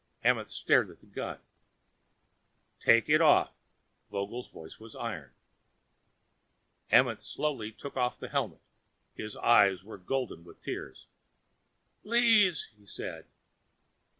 Amenth stared at the gun. "Take it off!" Vogel's voice was iron. Amenth slowly took off the helmet. His eyes were golden with tears. "Please," he said.